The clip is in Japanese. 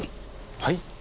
はい？